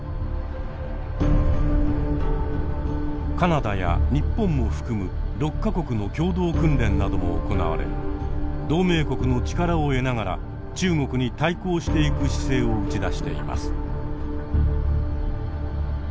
カナダや日本も含む６か国の共同訓練なども行われ同盟国の力を得ながら中国に対抗していく姿勢を打ち出しています。